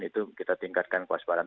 itu kita tingkatkan kewaspadaan